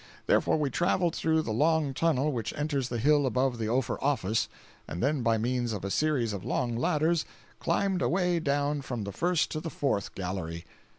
Therefore we traveled through the long tunnel which enters the hill above the Ophir office, and then by means of a series of long ladders, climbed away down from the first to the fourth gallery.